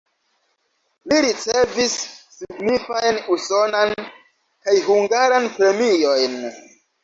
Li ricevis signifajn usonan kaj hungaran premiojn.